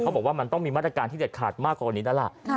เขาบอกว่ามันต้องมีมาตรการที่เหล็กขาดมากกว่าอันนี้นะล่ะ